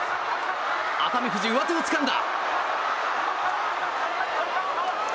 熱海富士、上手をつかんだ！